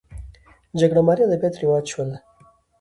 جګړه مارۍ ادبیات رواج شول